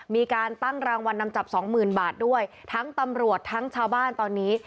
มีการตั้งรางวัลนำจับสองหมื่นบาทด้วยทั้งตำรวจทั้งชาวบ้านตอนนี้